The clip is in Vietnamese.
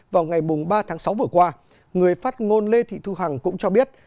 vào ngày ba tháng sáu vừa qua người phát ngôn lê thị thu hằng cũng cho biết